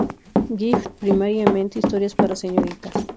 Gift," primariamente historias para señoritas.